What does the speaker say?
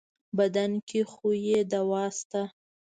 بدن کې خو يې دوا شته.